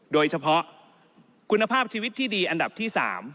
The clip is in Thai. โดยเฉพาะคุณภาพชีวิตที่ดีอันดับที่๓